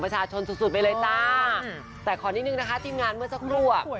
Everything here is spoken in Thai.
สุดสุดไปเลยจ้าแต่ขอนิดนึงนะคะทีมงานเมื่อสักครู่อ่ะ